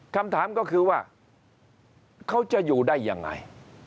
คำถามก็คือว่าเขาจะอยู่ได้ยังไง